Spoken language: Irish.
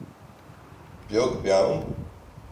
beag beann